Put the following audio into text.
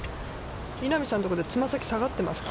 稲見さんのところで、つま先は下がっていますか。